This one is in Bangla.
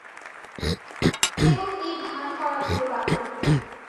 কেবল এই ভান করা গুলো বাদে।